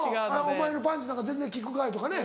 「お前のパンチなんか全然効くかい！」とかね。